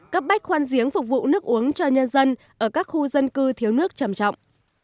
cấp bách khoan giếng phục vụ nước uống cho nhân dân ở các khu dân cư thiếu nước trầm trọng